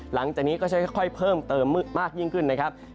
หลังจากนี้ก็จะค่อยเพิ่มเติมมากยิ่งขึ้นนะครับ